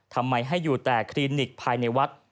ทำไมให้อยู่แต่คลินิกภายในวัด